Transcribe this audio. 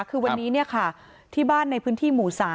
คือวันนี้ที่บ้านในพื้นที่หมู่๓